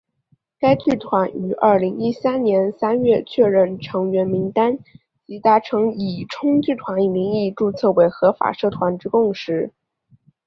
该剧团于二零一三年三月确认成员名单及达成以冲剧团名义注册为合法社团之共识。